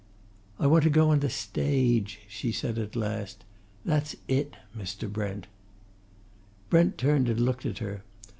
"I want to go on the stage," she said at last. "That's it, Mr. Brent." Brent turned and looked at her.